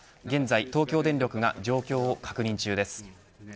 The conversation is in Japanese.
現在、東京電力が情報を確認中です。